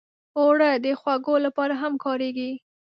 اوړه د خوږو لپاره هم کارېږي